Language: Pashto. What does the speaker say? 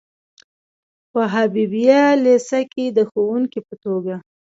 په حبیبیه لیسه کې د ښوونکي په توګه.